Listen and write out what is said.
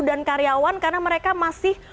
dan karyawan karena mereka masih